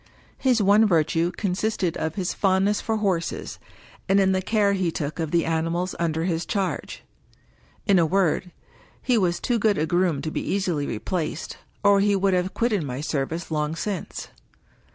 His one virtue consisted of his fond ness for horses, and in the care he took of the animals under his charge. In a word, he was too good a groom to be easily replaced, or he would have quitted my service long since.